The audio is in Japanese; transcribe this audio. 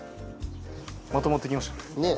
まとまってきましたね。